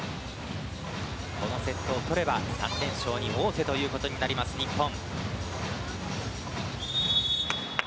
このセットを取れば３連勝に王手ということになります、日本。